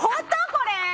これ！